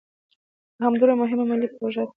دا همدومره مهمه ملي پروژه ده.